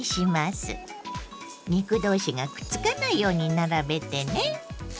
肉同士がくっつかないように並べてね。